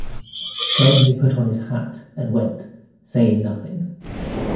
Then he put on his hat and went, saying nothing.